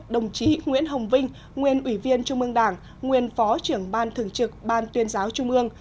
đồng chí nguyễn hồng vinh nguyên ủy viên trung ương đảng nguyên phó trưởng ban thường trực ban tuyên giáo trung ương